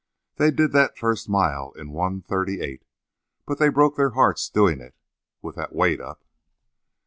They did that first mile in 1.38, but they broke their hearts doing it, with that weight up.